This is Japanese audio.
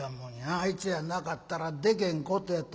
あいつやなかったらでけんことやと思うで。